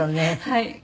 はい。